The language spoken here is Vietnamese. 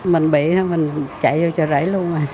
mình bị mình chạy